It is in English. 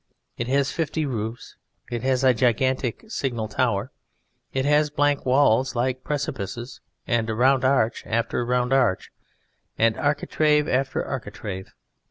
It has fifty roofs, it has a gigantic signal tower, it has blank walls like precipices, and round arch after round arch, and architrave after architrave.